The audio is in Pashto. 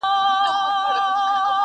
دا د مرګي له چېغو ډکه شپېلۍ؛